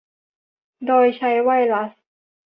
โดยใช้ไวรัส